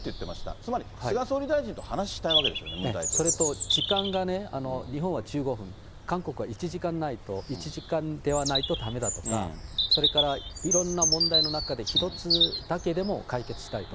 つまり菅総理大臣と話したいわけですよね、ムン大統領は。それと日本は１５分、韓国は１時間ではないとだめだとか、それからいろんな問題の中で１つだけでも解決したいと。